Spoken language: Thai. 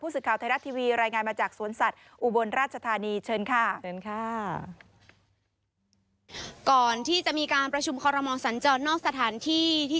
ผู้สึกข่าวไทยรัฐทีวีรายงายมาจากสวนสัตว์อุบลราชธานี